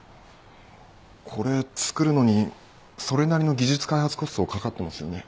これ作るのにそれなりの技術開発コストかかってますよね。